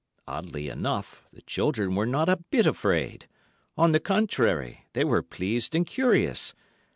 Oddly enough, the children were not a bit afraid; on the contrary, they were pleased and curious.